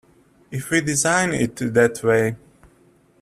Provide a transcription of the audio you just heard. If we design it that way.